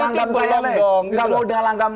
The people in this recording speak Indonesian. enggak mau dengan langgam